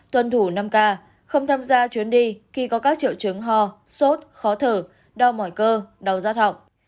tuần thủ năm k không tham gia chuyến đi khi có các triệu chứng ho sốt khó thở đau mỏi cơ đau giác học